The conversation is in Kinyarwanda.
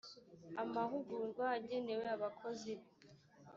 amahugurwa agenewe abakozi be